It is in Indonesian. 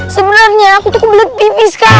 sebenarnya aku tuh kebelet pipis kal